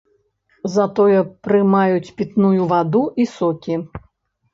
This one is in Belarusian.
Затое прымаюць пітную ваду і сокі.